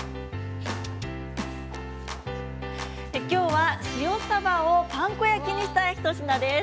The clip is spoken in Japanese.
きょうは塩さばをパン粉焼きにした一品です。